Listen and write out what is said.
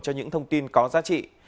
cho những thông tin có giá trị